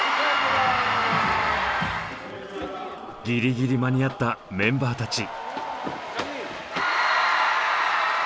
ギリギリ間に合ったメンバーたち。